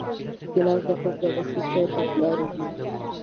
ګیلاس د خوب نه مخکې چای ته کارېږي.